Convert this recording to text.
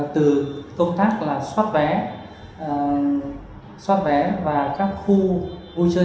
từ công tác là xoát vé và các khu vui chơi